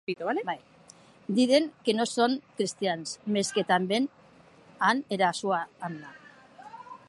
Diden que non son crestians, mès que tanben an era sua amna.